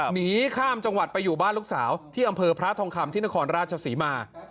หนีข้ามจังหวัดไปอยู่บ้านลูกสาวที่อำเภอพระทองคำที่นครราชศรีมา